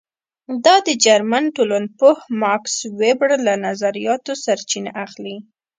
دا د جرمن ټولنپوه ماکس وېبر له نظریاتو سرچینه اخلي.